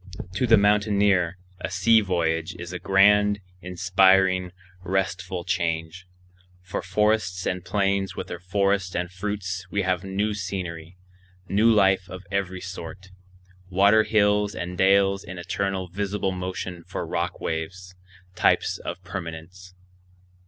To the mountaineer a sea voyage is a grand, inspiring, restful change. For forests and plains with their flowers and fruits we have new scenery, new life of every sort; water hills and dales in eternal visible motion for rock waves, types of permanence.